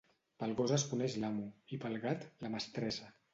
Pel gos es coneix l'amo, i pel gat, la mestressa.